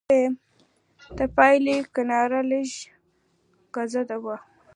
د پیالې کناره لږه کږه وه.